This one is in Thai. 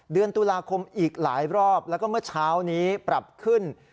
เดือนตุลาคมอีกหลายรอบแล้วก็เมื่อเช้านี้ปรับขึ้น